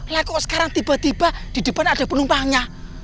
lah kok sekarang tiba tiba di depan ada penumpangnya